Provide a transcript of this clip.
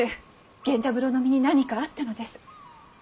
源三郎の身に何かあったのです。